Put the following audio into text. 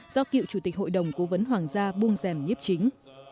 do cựu chủ tịch hội đồng cố vấn hoàng gia buông rèm nhiếp chính